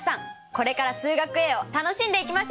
これから「数学Ａ」を楽しんでいきましょう！